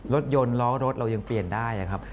รถยนต์ล้อรถเรายังเปลี่ยนได้ครับ